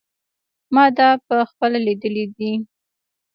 ما دا په خپله لیدلی دی.